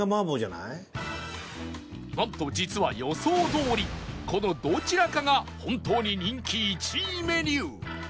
なんと実は予想どおりこのどちらかが本当に人気１位メニュー